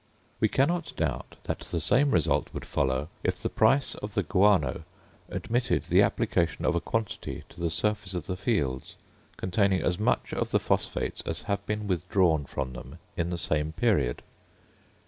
We cannot doubt that the same result would follow if the price of the guano admitted the application of a quantity to the surface of the fields, containing as much of the phosphates as have been withdrawn from them in the same period.